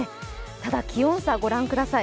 ただ、気温差、ご覧ください